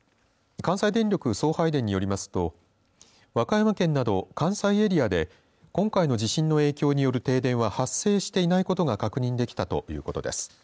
関西電力送配電によりますと和歌山県など関西エリアで今回の地震の影響による停電は発生していないことが確認できたということです。